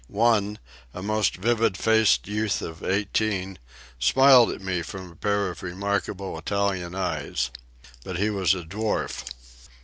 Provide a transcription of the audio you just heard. One, a most vivid faced youth of eighteen, smiled at me from a pair of remarkable Italian eyes. But he was a dwarf.